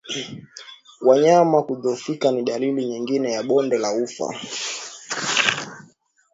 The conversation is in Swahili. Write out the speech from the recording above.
Wanyama kudhoofika ni dalili nyingine ya bonde la ufa